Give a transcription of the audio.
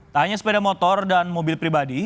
tak hanya sepeda motor dan mobil pribadi